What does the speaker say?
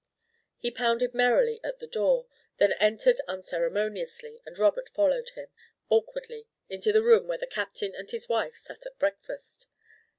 He pounded merrily at the door, then entered unceremoniously, and Robert followed him, awkwardly, into the room where the Captain and his wife sat at breakfast.